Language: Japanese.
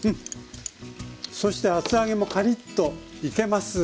そして厚揚げもカリッといけます。